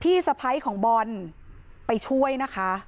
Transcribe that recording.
มีชายแปลกหน้า๓คนผ่านมาทำทีเป็นช่วยค่างทาง